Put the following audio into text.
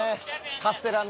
カステラのね。